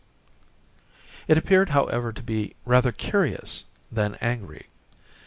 It appeared, however, to be rather curious than angry.